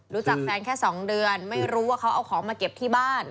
แฟนแค่๒เดือนไม่รู้ว่าเขาเอาของมาเก็บที่บ้าน